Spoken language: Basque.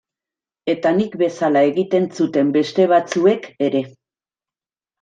Eta nik bezala egiten zuten beste batzuek ere.